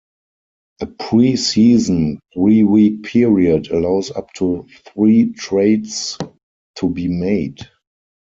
A pre-season three-week period allows up to three trades to be made.